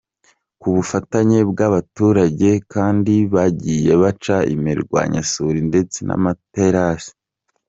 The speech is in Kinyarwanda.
Ku bufatanye bw’abaturage kandi, bagiye baca imirwanyasuri ndetse n’amaterasi.